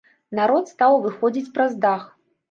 Народ стаў выходзіць праз дах.